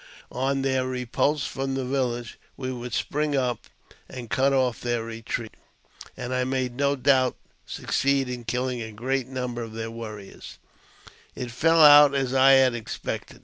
On their repulse from the village we would spring up and cut off their retreat, and, I made no doubt, succeed in killing a great number of their warriors. JAMES P. BECKWOVBTH. 177 It fell out as I had expected.